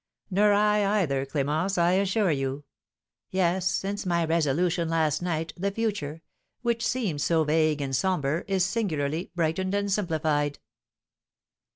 "Nor I either, Clémence, I assure you. Yes, since my resolution last night, the future, which seemed so vague and sombre, is singularly brightened and simplified."